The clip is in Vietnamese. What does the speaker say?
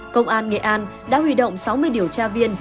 công an nghệ an đã huy động sáu mươi điều tra viên